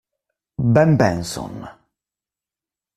Ben Benson